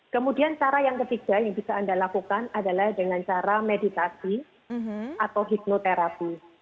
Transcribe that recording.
kemudian cara yang ketiga yang bisa anda lakukan adalah dengan cara meditasi atau hipnoterapi